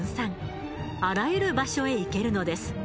あらゆる場所へ行けるのです。